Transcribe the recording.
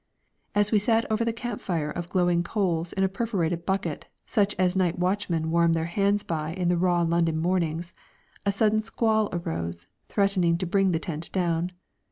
As we sat over the camp fire of glowing coals in a perforated bucket such as night watchmen warm their hands by in the raw London mornings, a sudden squall arose, threatening to bring the tent down.